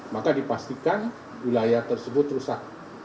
maka dipastikan wilayah tersebut rusak